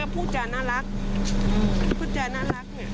พูดจาน่ารักคุณลุงก็ใจดี